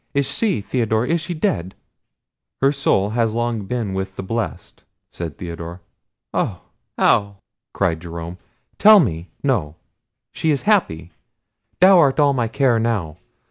Is she, Theodore, is she dead?" "Her soul has long been with the blessed," said Theodore. "Oh! how?" cried Jerome, "tell me—no—she is happy! Thou art all my care now!